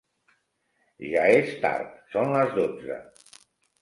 Ja és tard: són les dotze.